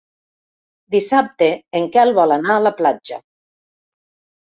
Dissabte en Quel vol anar a la platja.